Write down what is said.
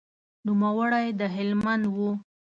نوموړی د هلمند و.